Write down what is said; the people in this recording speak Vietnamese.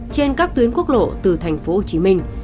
trên các tuyến quốc lộ từ thành phố hồ chí minh